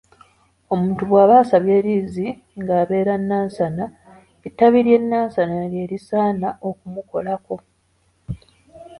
Omuntu bw’aba asabye liizi nga abeera Nansana, ettabi ly'e Nansana ly'erisaana okumukolako.